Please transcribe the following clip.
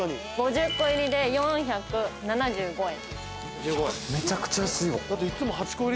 ５０個入りで４７５円。